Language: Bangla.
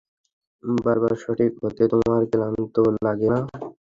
বারবার সঠিক হতে তোমার ক্লান্ত লাগে না?